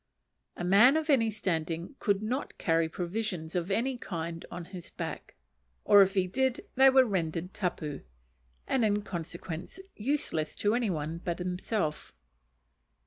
A man of any standing could not carry provisions of any kind on his back; or if he did they were rendered tapu, and in consequence useless to any one but himself.